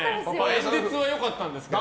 演説は良かったんですけどね。